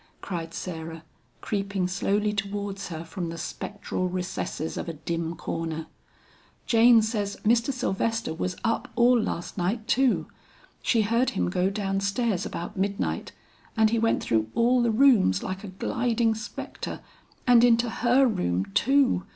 cried Sarah, creeping slowly towards her from the spectral recesses of a dim corner. "Jane says Mr. Sylvester was up all last night too. She heard him go down stairs about midnight and he went through all the rooms like a gliding spectre and into her room too!"